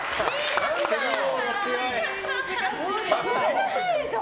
難しいでしょ？